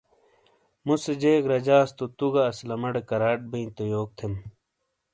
مُوسے جیک رجاس تو تُو گہ اسلمٹے کراٹ بئی تو یوک تھم